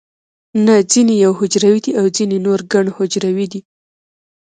نه ځینې یو حجروي دي او ځینې نور ګڼ حجروي دي